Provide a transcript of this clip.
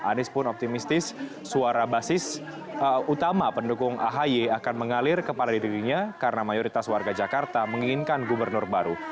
anies pun optimistis suara basis utama pendukung ahi akan mengalir kepada dirinya karena mayoritas warga jakarta menginginkan gubernur baru